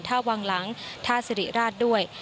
ท่าวังหลังท่าสิริราชด้วย